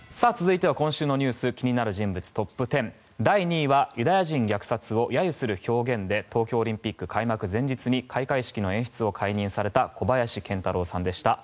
では今週のニュース気になる人物トップ１０第２位はユダヤ人虐殺を揶揄する表現で東京オリンピックの開幕前日に解任された小林賢太郎さんでした。